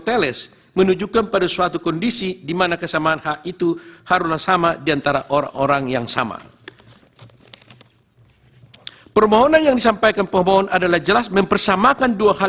tentang kedudukan hukum tentang pendatang pemperluan hasil suara